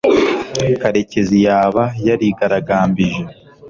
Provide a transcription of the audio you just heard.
karekezi yaba yarigaragambije